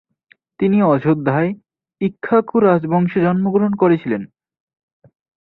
তিনি অযোধ্যায় ইক্ষ্বাকু রাজবংশে জন্মগ্রহণ করেছিলেন।